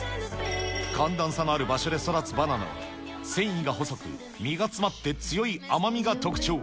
寒暖差のある場所で育つバナナは、繊維が細く、実が詰まって強い甘みが特徴。